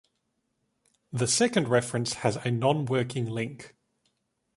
The second reference has a nonworking link.